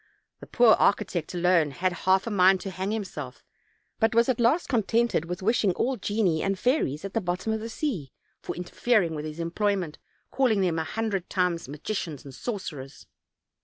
The poor architect alone had half a mind to hang himself, but was at last contented with wishing all genii and fairies at the bottom of the sea, for interfering with his employment, calling them a hundred times magicians and sorcerers.